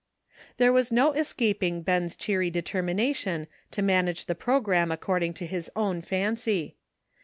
There was no escaping Ben's cheery determi nation to manage the programi^ie according to his own fancy.